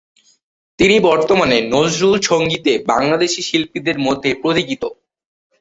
তিনি বর্তমানে নজরুল সঙ্গীতে বাংলাদেশী শিল্পীদের মধ্যে পথিকৃৎ।